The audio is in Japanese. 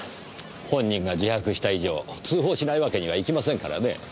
本人が自白した以上通報しないわけにはいきませんからね。